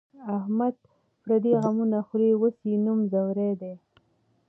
احمد پردي غمونه خوري، اوس یې نوم ځوری دی.